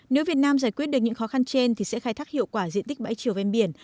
nếu việt nam giải quyết được những khó khăn trên thì sẽ khai thác hiệu quả diện tích bãi triều ven biển